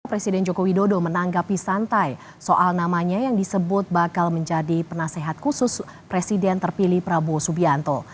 presiden joko widodo menanggapi santai soal namanya yang disebut bakal menjadi penasehat khusus presiden terpilih prabowo subianto